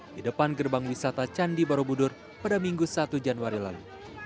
di depan gerbang wisata candi borobudur pada minggu satu januari lalu